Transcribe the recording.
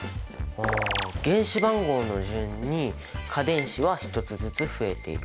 ああ原子番号の順に価電子は１つずつ増えていく。